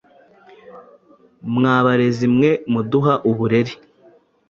Mwa barezi mwe muduha uburere